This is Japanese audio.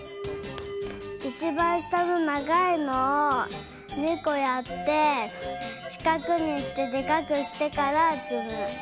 いちばんしたのながいのを２こやってしかくにしてでかくしてからつむ。